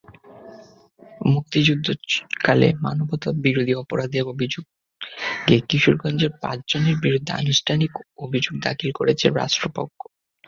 মুক্তিযুদ্ধকালে মানবতাবিরোধী অপরাধের অভিযোগে কিশোরগঞ্জের পাঁচজনের বিরুদ্ধে আনুষ্ঠানিক অভিযোগ দাখিল করেছে রাষ্ট্রপক্ষ।